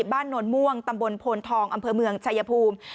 นวลม่วงตำบลโพนทองอำเภอเมืองชายภูมิ